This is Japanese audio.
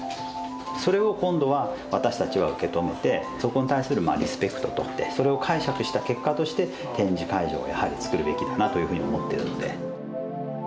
それを今度は私たちは受け止めてそこに対するリスペクトとそれを解釈した結果として展示会場をやはりつくるべきだなというふうに思ってるので。